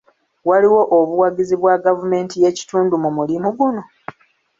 Waliwo obuwagizi bwa gavumenti y'ekitundu mu mulimu guno?